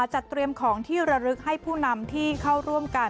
จัดเตรียมของที่ระลึกให้ผู้นำที่เข้าร่วมกัน